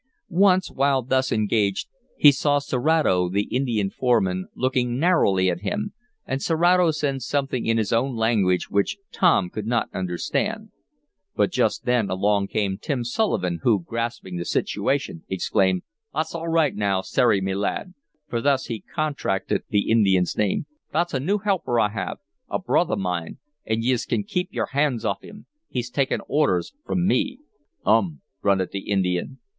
Once, while thus engaged, he saw Serato, the Indian foreman looking narrowly at him, and Serato said something in his own language which Tom could not understand. But just then along came Tim Sullivan, who, grasping the situation, exclaimed: "Thot's all roight, now, Serri, me lad!" for thus he contracted the Indian's name. "Thot's a new helper I have, a broth of a bye, an' yez kin kape yer hands off him. He's takin' orders from me!" "Um!" grunted the Indian.